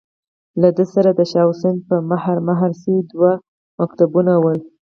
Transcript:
له ده سره د شاه حسين په مهر، مهر شوي دوه مکتوبونه ول.